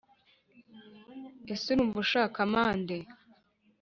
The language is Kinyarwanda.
ese urumva ushaka amande?